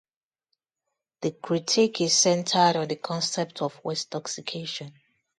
The critique is centered on the concept of westoxication.